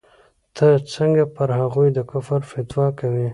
ته څنگه پر هغوى د کفر فتوا کوې.